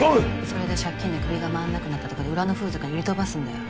それで借金で首が回らなくなったとこで裏の風俗に売り飛ばすんだよ。